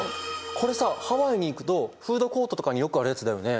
これさハワイに行くとフードコートとかによくあるやつだよね。